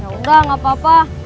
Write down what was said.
ya udah nggak apa apa